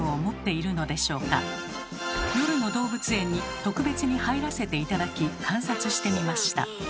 夜の動物園に特別に入らせて頂き観察してみました。